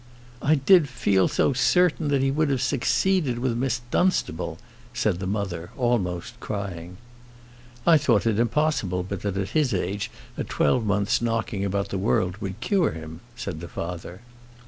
"I did feel so certain that he would have succeeded with Miss Dunstable," said the mother, almost crying. "I thought it impossible but that at his age a twelvemonth's knocking about the world would cure him," said the father.